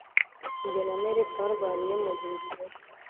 jye na mary twarwariye mu buriri ejo